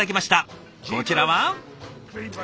こちらは？